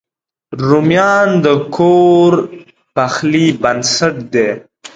رومیان د کور پخلي بنسټ دی